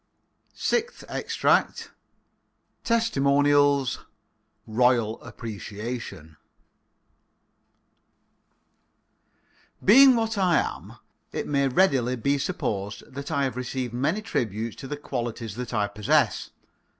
SIXTH EXTRACT TESTIMONIALS ROYAL APPRECIATION Being what I am, it may readily be supposed that I have received many tributes to the qualities that I possess.